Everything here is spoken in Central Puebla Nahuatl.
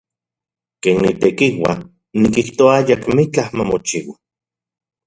Ken nitekiua, nikijtoa ayakmitlaj mamochiua.